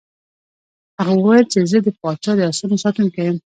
هغه وویل چې زه د پاچا د آسونو ساتونکی یم.